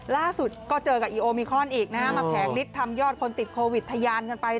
ล่าสุดก็เจอกับอีโอมิครอนอีกนะฮะมาแผงฤทธิ์ทำยอดคนติดโควิดทะยานกันไป